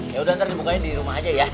yaudah ntar dibukanya di rumah aja ya